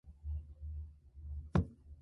Esta especie se distingue por su color azulado.